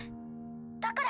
だから。